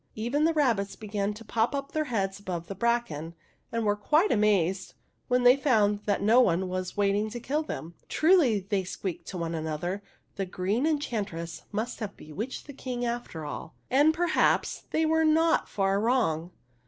Even the rabbits began to pop up their heads above the bracken, and were quite amazed when they found that no one was waiting to kill them. " Truly," they squeaked to one another, '' the Green Enchant ress must have bewitched the King after all !" And perhaps they were not far wrong.